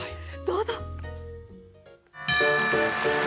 どうぞ。